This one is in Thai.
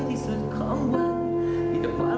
ชีวิตของฉันที่แผ่น